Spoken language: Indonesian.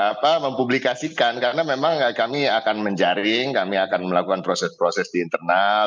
apa mempublikasikan karena memang kami akan menjaring kami akan melakukan proses proses di internal